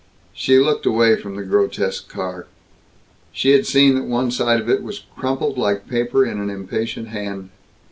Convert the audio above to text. She looked away from the grotesque car. She had seen that one side of it was crumpled like paper in an impatient hand.